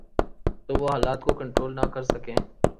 تو وہ حالات کو کنٹرول نہ کر سکیں۔